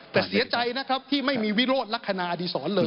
แต่เสียใจนะครับที่ไม่มีวิโรธลักษณะอดีศรเลย